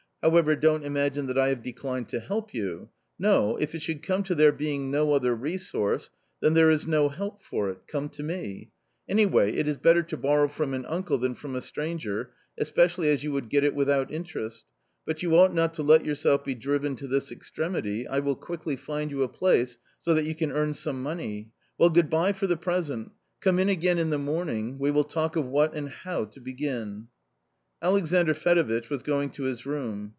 However, don't imagine that I have declined to help you ; no, if it should come to there being no other resource, then there is no help for it, come to me. Any way, it is better to borrow from an uncle than from a stranger, especially as you would get it without interest. But you ought not to let yourself be driven to this extremity, I will qu ickly find you a place so that you can earn s ome moneyV well, good bye for the pr'WJWlt. CoinG'm again in "the morning, we will talk of what and how to begin." Alexandr Fedovitch was going to his room.